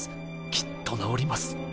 きっと治ります。